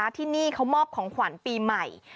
ที่นี่เขามอบของขวัญปีใหม่